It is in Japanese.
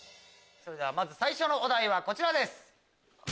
まず最初のお題はこちらです。